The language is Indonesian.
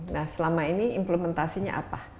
nah selama ini implementasinya apa